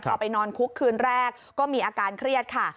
พอไปนอนคุกคืนแรกก็มีอาการเครียดค่ะ